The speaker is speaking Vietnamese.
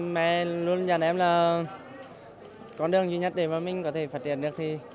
mẹ luôn nhận em là con đường duy nhất để mình có thể phát triển được